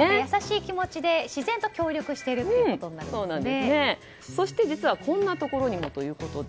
優しい気持ちで自然と協力しているということにそして、実はこんなところにも。